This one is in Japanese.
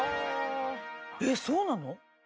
えっそうなの？